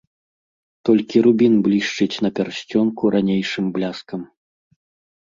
Толькі рубін блішчыць на пярсцёнку ранейшым бляскам.